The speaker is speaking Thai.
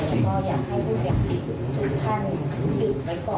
แล้วก็อยากให้ผู้เสียหายทุกท่านดื่มไว้ก่อน